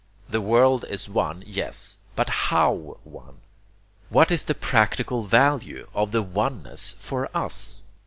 The world is one yes, but HOW one? What is the practical value of the oneness for US?